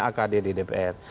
akd di dpr